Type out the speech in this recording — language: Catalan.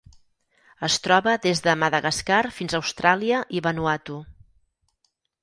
Es troba des de Madagascar fins a Austràlia i Vanuatu.